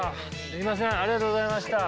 すみませんありがとうございました。